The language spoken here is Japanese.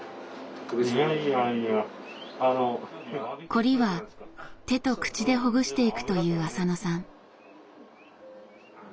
凝りは手と口でほぐしていくという浅野さん。